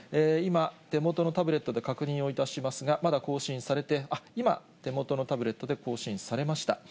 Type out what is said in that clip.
今、手元のタブレットで確認をいたしますが、まだ更新されて、あっ、今、手元のタブレットで更新されました。